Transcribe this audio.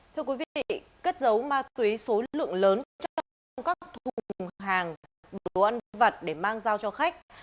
thưa quý vị cất dấu ma túy số lượng lớn trong các thùng hàng đồ ăn vật để mang giao cho khách